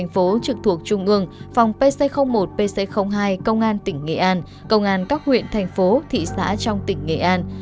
phòng pc một pc hai công an tỉnh nghệ an công an các huyện thành phố thị xã trong tỉnh nghệ an